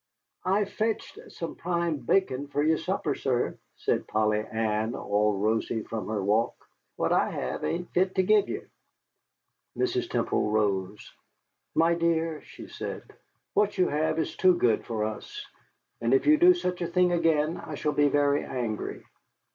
"I've fetched some prime bacon fer your supper, sir," said Polly Ann, all rosy from her walk; "what I have ain't fit to give ye." Mrs. Temple rose. "My dear," she said, "what you have is too good for us. And if you do such a thing again, I shall be very angry."